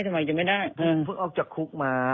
ทำไมยังไม่ได้เพิ่งออกจากคุกมา